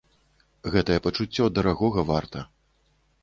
Гэтае пачуццё дарагога варта!